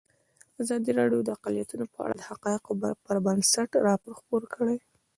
ازادي راډیو د اقلیتونه په اړه د حقایقو پر بنسټ راپور خپور کړی.